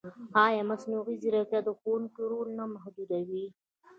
ایا مصنوعي ځیرکتیا د ښوونکي رول نه محدودوي؟